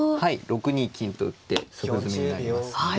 ６二金と打って即詰みになりますので。